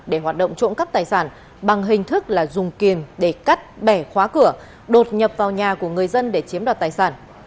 để hoạt động trộm cắp tài sản bằng hình thức là dùng kiềm để cắt bẻ khóa cửa đột nhập vào nhà của người dân để chiếm đoạt tài sản